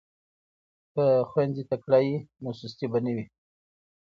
که خویندې تکړه وي نو سستي به نه وي.